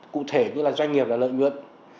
cụ thể như là doanh nghiệp là lợi nhuận